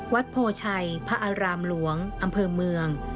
โพชัยพระอารามหลวงอำเภอเมือง